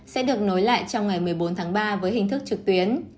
sẽ được nối lại trong ngày một mươi bốn tháng ba với hình thức trực tuyến